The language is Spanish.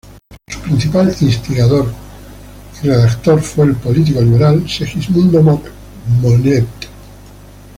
Su principal instigador y redactor fue el político liberal Segismundo Moret.